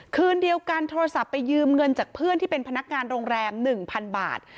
คืนเดียวกันโทรศัพท์ไปยืมเงินจากเพื่อนที่เป็นพนักงานโรงแรม๑๐๐๐บาท